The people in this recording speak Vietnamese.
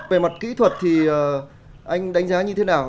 về mặt kỹ thuật thì anh đánh giá như thế nào